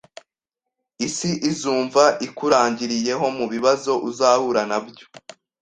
Isi izumva ikurangiriyeho mubibazo uzahura nabyo